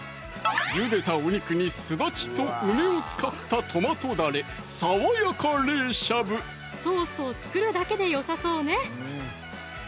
ゆでたお肉にすだちと梅を使ったトマトだれソースを作るだけでよさそうね